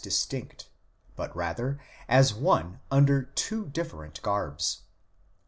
distinct, but rather as one under two different garbs.